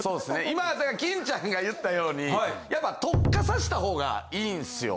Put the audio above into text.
今だから金ちゃんが言ったようにやっぱ特化さしたほうがいいんっすよ。